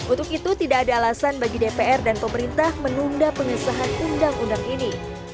untuk itu tidak ada alasan bagi dpr dan pemerintah menunda pengesahan undang undang ini